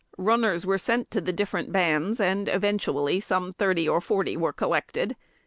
Runners were sent to the different bands, and eventually some thirty or forty were collected.